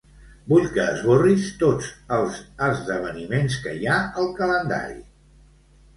Vull que esborris tots els esdeveniments que hi ha al calendari.